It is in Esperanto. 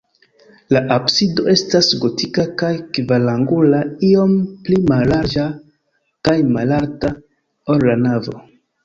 La absido estas gotika kaj kvarangula, iom pli mallarĝa kaj malalta, ol la navo.